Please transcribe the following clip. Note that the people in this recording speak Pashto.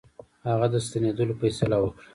هغه د ستنېدلو فیصله وکړه.